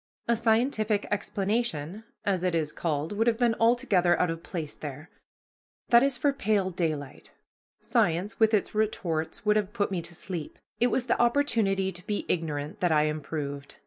A scientific explanation, as it is called, would have been altogether out of place there. That is for pale daylight. Science with its retorts would have put me to sleep; it was the opportunity to be ignorant that I improved.